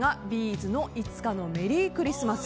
’ｚの「いつかのメリークリスマス」。